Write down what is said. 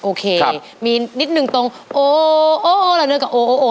โอเคครับมีนิดหนึ่งตรงโอโอโอโอแล้วเนื้อกับโอโอโอ